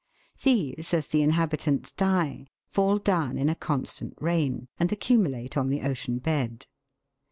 These, as the inhabitants die, fall down in a constant rain, and accumulate on the ocean bed.